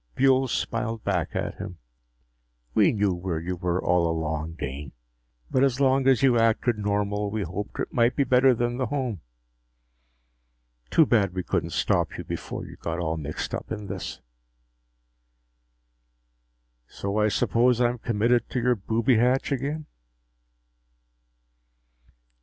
Buehl smiled back at him. "We knew where you were all along, Dane. But as long as you acted normal, we hoped it might be better than the home. Too bad we couldn't stop you before you got all mixed up in this." "So I suppose I'm committed to your booby hatch again?"